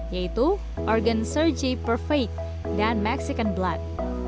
yaitu organ sergi perfeit dan mexican blood